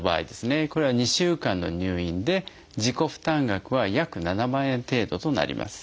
これは２週間の入院で自己負担額は約７万円程度となります。